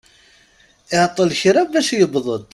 Iɛeṭṭel kra bac yewweḍ-d.